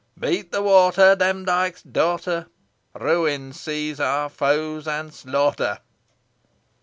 Beat the water, Demdike's daughter! Ruin seize our foes and slaughter!"